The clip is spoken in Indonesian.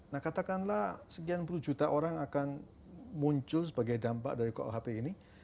nah katakanlah sekian puluh juta orang akan muncul sebagai dampak dari kuhp ini